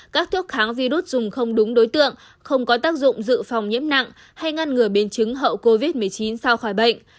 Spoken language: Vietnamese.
các thuốc kháng virus dùng không đúng đối tượng không có tác dụng dự phòng nhiễm nặng hay ngăn ngừa biến chứng hậu covid một mươi chín sau khỏi bệnh